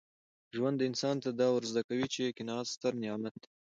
ژوند انسان ته دا ور زده کوي چي قناعت ستر نعمت دی.